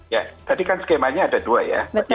ya tadi kan skemanya ada dua ya